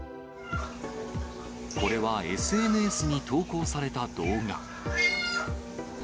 これはＳＮＳに投稿された動画。